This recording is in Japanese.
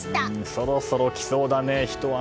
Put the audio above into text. そろそろ来そうだね、ひと雨。